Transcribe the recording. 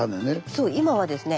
そう今はですね